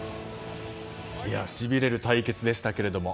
しびれる対決でしたけれども。